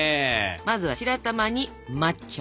まずは白玉に抹茶。